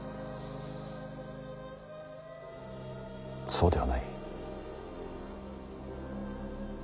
そうではない。